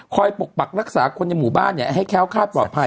ปกปักรักษาคนในหมู่บ้านให้แค้วคาดปลอดภัย